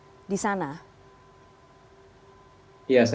bagaimana dengan rekan rekan sesama wni